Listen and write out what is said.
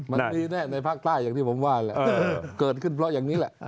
มันดีแน่ในภาคใต้อย่างที่ผมว่าแหละเกิดขึ้นเพราะอย่างนี้แหละ